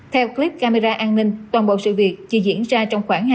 theo clip camera an ninh toàn bộ sự việc chỉ diễn ra trong khoảng hai mươi giây